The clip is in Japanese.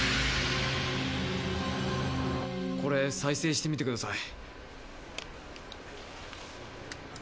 これ再生してみてください。